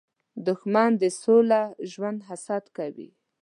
دښمن د سوکاله ژوند حسد کوي